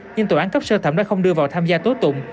nhưng tòa án cấp sơ thẩm đã không đưa vào tham gia tố tụng